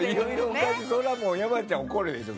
それは山ちゃん、怒るでしょ。